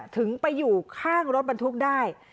ถึงไปอยู่ข้างรถบรรทุกได้